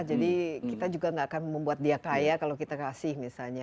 jadi kita juga gak akan membuat dia kaya kalo kita kasih misalnya